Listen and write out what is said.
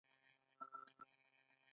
کاناډا د کلتور اداره لري.